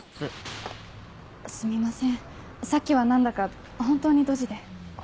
すみませんさっきは何だか本当にドジで。